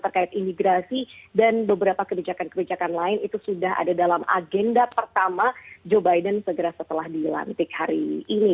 terkait imigrasi dan beberapa kebijakan kebijakan lain itu sudah ada dalam agenda pertama joe biden segera setelah dilantik hari ini